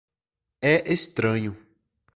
É estranho.